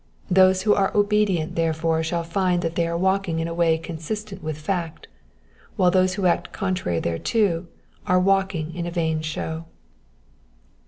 Those who are obedient thereto shall find that they are walking in a way consistent with fact, while those who act contrary thereto are walking in a vain show.